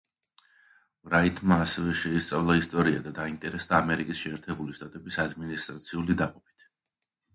ვრაითმა ასევე შეისწავლა ისტორია და დაინტერესდა ამერიკის შეერთებული შტატების ადმინისტრაციული დაყოფით.